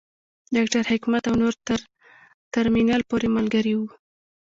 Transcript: ډاکټر حکمت او نور تر ترمینل پورې ملګري وو.